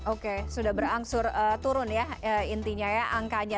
oke sudah berangsur turun ya intinya ya angkanya